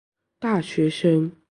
大学生